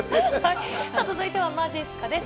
続いてはまじっすかです。